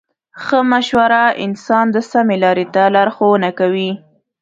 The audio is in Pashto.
ښه مشوره انسان د سمې لارې ته لارښوونه کوي.